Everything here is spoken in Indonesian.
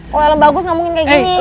kalau helm bagus gak mungkin kayak gini